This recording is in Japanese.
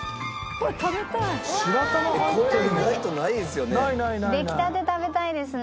これ意外とないですよね。